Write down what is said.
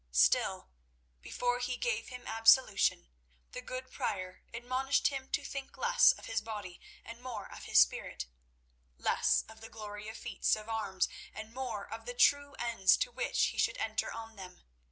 Still, before he gave him absolution, the good Prior admonished him to think less of his body and more of his spirit; less of the glory of feats of arms and more of the true ends to which he should enter on them.